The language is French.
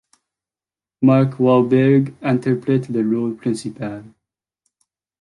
Mark Wahlberg interprète le rôle principal.